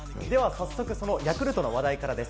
早速ヤクルトの話題からです。